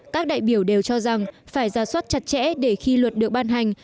các đại biểu đều cho rằng phải ra soát chặt chẽ để khi luật được ban hành